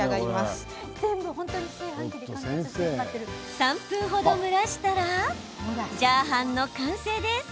３分程、蒸らしたらジャーハンの完成です。